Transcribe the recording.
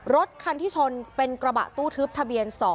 รถคันที่ชนเป็นกระบะตู้ทึบทะเบียน๒